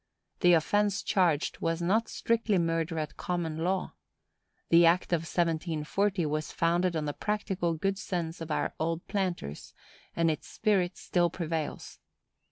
The offence charged was not strictly murder at common law. The act of 1740 was founded on the practical good sense of our old planters, and its spirit still prevails.